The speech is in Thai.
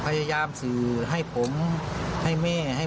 เพราะไม่เคยถามลูกสาวนะว่าไปทำธุรกิจแบบไหนอะไรยังไง